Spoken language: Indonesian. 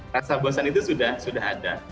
rasa bosan itu sudah ada